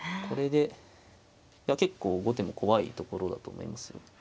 これでいや結構後手も怖いところだと思いますよ。